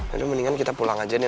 lalu mendingan kita pulang aja nih